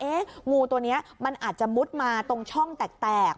งูตัวนี้มันอาจจะมุดมาตรงช่องแตก